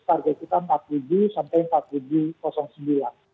target kita empat ribu sampai empat ribu sembilan